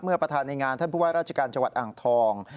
ประธานในงานท่านผู้ว่าราชการจังหวัดอ่างทอง